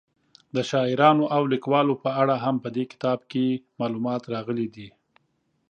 د شاعرانو او لیکوالو په اړه هم په دې کتاب کې معلومات راغلي دي.